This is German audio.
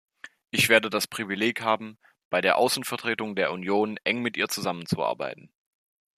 Ich werde das Privileg haben, bei der Außenvertretung der Union eng mit ihr zusammenzuarbeiten.